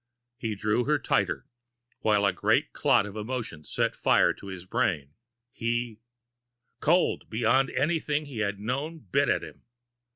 He drew her tighter, while a great clot of emotion set fire to his brain. He Cold beyond anything he had known bit at him.